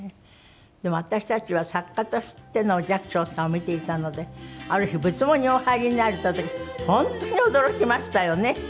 でも私たちは作家としての寂聴さんを見ていたのである日「仏門にお入りになる」って言った時本当に驚きましたよね。